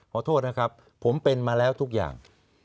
ขอโทษนะครับผมเป็นมาแล้วทุกอย่าง